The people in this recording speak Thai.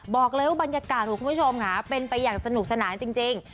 บอกเลยว่าบรรยากาศของคุณผู้ชมค่ะเป็นไปอย่างสนุกสนานจริง